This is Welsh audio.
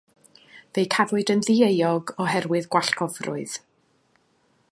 Fe'i cafwyd yn ddieuog oherwydd gwallgofrwydd.